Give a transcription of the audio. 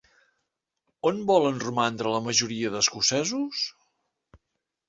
On volen romandre la majoria d'escocesos?